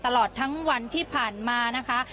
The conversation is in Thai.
ตลอดทั้งวันที่ผ่านมานะคะ